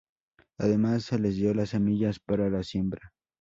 Además, se les dio las semillas para la siembra.